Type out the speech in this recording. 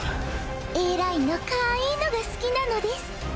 Ａラインのカアイイのが好きなのです！